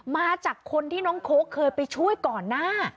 มาจากคนที่น้องโค้กเคยไปช่วยก่อนหน้า